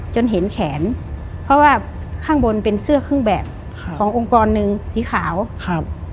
จนเห็นแขนเพราะว่าข้างบนเป็นเสื้อเครื่องแบบค่ะขององค์กรหนึ่งสีขาวครับ